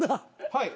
はい。